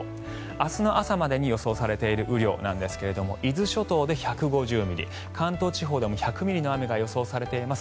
明日の朝までに予想されている雨量ですが伊豆諸島で１５０ミリ関東地方でも１００ミリの雨が予想されています。